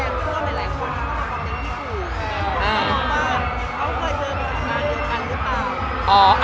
เขาเคยเจอกับสังนานเดียวกันหรือเปล่า